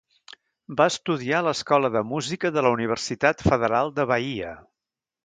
Va estudiar a l'escola de música de la Universitat Federal de Bahia.